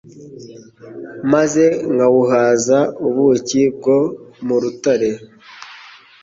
maze nkawuhaza ubuki bwo mu rutare»